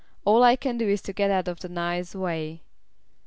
All I can do is to get out of the knave's way.